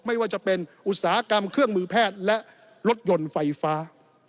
ไม่ว่าจะเป็นอุตสาหกรรมเครื่องมือแพทย์และรถยนต์ไฟฟ้า